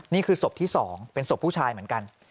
นี่คือศพที่๒เป็นศพผู้ชายเหมือนกัน